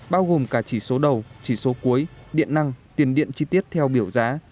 bao gồm cả chỉ số đầu chỉ số cuối điện năng tiền điện chi tiết theo biểu giá